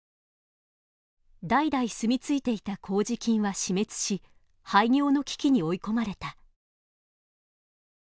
代々住み着いていた麹菌は死滅し廃業の危機に追い込まれた。